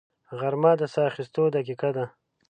غرمه د ساه اخیستو دقیقه ده